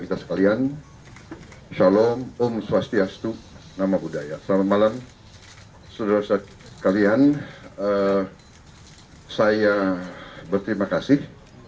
kita sekalian shalom om swastiastu nama budaya selamat malam sudah sekalian saya berterima kasih